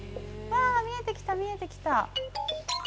見えてきた見えてきた。